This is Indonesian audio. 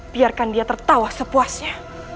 biarkan dia tertawa sepuasnya